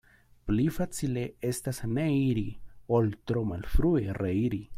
Pli facile estas ne iri, ol tro malfrue reiri.